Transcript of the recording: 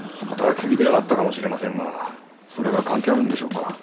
働き過ぎではあったかもしれませんがそれが関係あるんでしょうか？